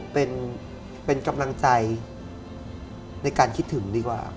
เป็นกำลังใจในการคิดถึงดีกว่า